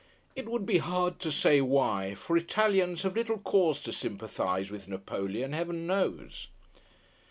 It would be hard to say why; for Italians have little cause to sympathise with Napoleon, Heaven knows.